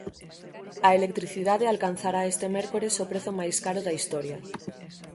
A electricidade alcanzará este mércores o prezo máis caro da historia.